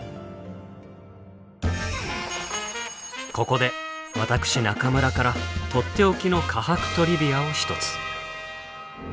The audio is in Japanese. ここで私中村からとっておきの科博トリビアを一つ。